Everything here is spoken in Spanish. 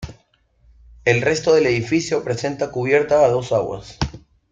El resto del edificio presenta cubierta a dos aguas.